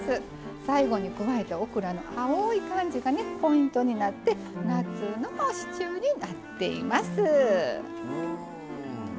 最後に加えたオクラの青い感じがポイントになって夏のシチューになっています。